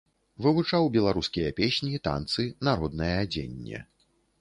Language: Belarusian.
Вывучаў беларускія песні, танцы, народнае адзенне.